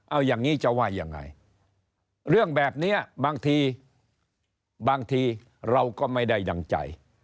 เอาอย่างนี้จะว่ายังไงเรื่องแบบนี้บางทีบางทีเราก็ไม่ได้ดั่งใจ